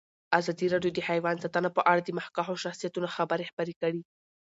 ازادي راډیو د حیوان ساتنه په اړه د مخکښو شخصیتونو خبرې خپرې کړي.